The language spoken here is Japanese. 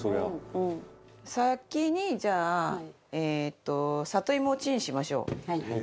財前：先に、じゃあえっと、里芋をチンしましょう。